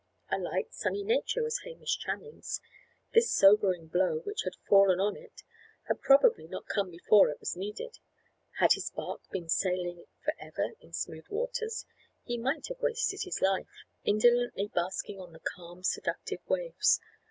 A light, sunny nature was Hamish Channing's. This sobering blow which had fallen on it had probably not come before it was needed. Had his bark been sailing for ever in smooth waters, he might have wasted his life, indolently basking on the calm, seductive waves.